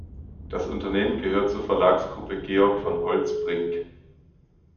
Das Unternehmen gehört zur Verlagsgruppe Georg von Holtzbrinck.